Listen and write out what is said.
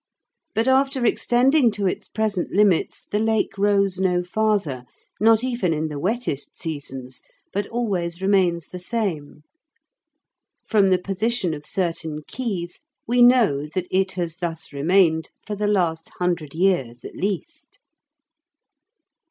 But after extending to its present limits the Lake rose no farther, not even in the wettest seasons, but always remains the same. From the position of certain quays we know that it has thus remained for the last hundred years at least.